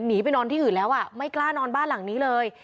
หนีไปนอนที่อื่นแล้วอ่ะไม่กล้านอนบ้านหลังนี้เลย